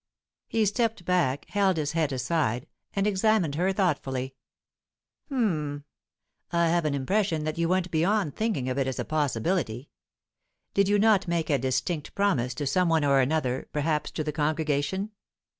He stepped back, held his head aside, and examined her thoughtfully. "H'm. I have an impression that you went beyond thinking of it as a possibility. Did you not make a distinct promise to some one or another perhaps to the congregation?"